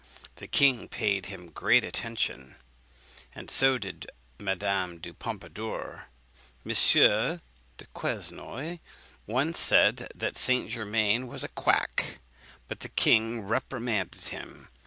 The king paid him great attention, and so did Madame du Pompadour. M. du Quesnoy once said that St. Germain was a quack, but the king reprimanded him.